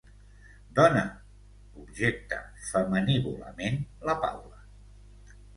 Dona... –objecta femenívolament la Paula.